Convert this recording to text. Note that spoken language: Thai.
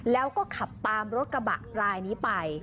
แล้วก็ขับตามรถกระบะรายนี้ไป